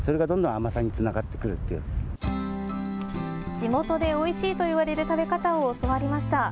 地元でおいしいと言われる食べ方を教わりました。